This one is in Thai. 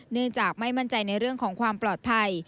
เนื่องจากไม่มั่นใจในเรื่องของความปลอดภัย